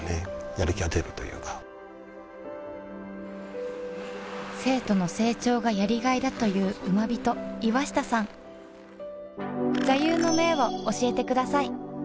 やる気が出るというか生徒の成長がやりがいだというウマビト岩下さん座右の銘を教えてください